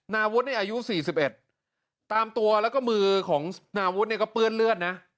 นาวุฒินี่อายุ๔๑ตามตัวแล้วก็มือของนาวุฒิเนี่ยก็เปื้อนเลือดนะ